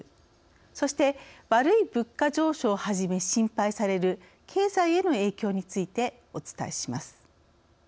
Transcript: そして「悪い物価上昇」をはじめ心配される経済への影響についてお伝えします。